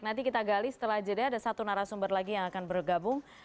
nanti kita gali setelah jeda ada satu narasumber lagi yang akan bergabung